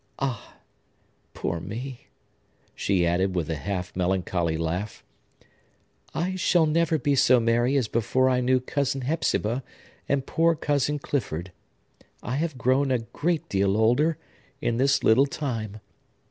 Ah, poor me!" she added, with a half melancholy laugh. "I shall never be so merry as before I knew Cousin Hepzibah and poor Cousin Clifford. I have grown a great deal older, in this little time.